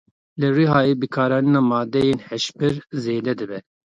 Li Rihayê bikaranîna madeyên hişbir zêde dibe.